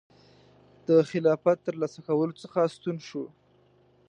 د خلافت ترلاسه کولو څخه ستون شو.